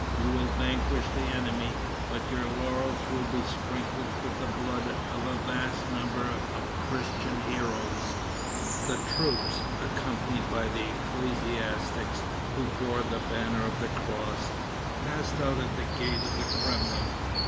You will vanquish the enemy, but your laurels will be sprinkled with the blood of a vast number of Christian heroes." The troops, accompanied by ecclesiastics who bore the banners of the cross, passed out at the gate of the Kremlin.